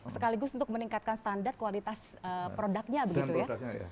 sekaligus untuk meningkatkan standar kualitas produknya